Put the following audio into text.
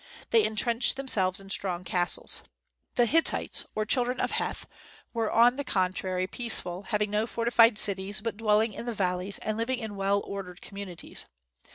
They entrenched themselves in strong castles. The Hittites, or children of Heth, were on the contrary peaceful, having no fortified cities, but dwelling in the valleys, and living in well ordered communities.